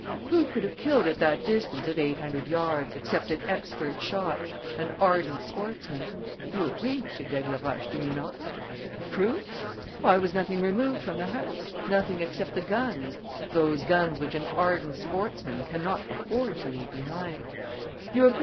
Who could have killed at that distance of eight hundred yards, except an expert shot, an ardent sportsman? You agree, M. d'Aigleroche, do you not?... Proofs? Why was nothing removed from the house, nothing except the guns, those guns which an ardent sportsman cannot afford to leave behind you agree, M.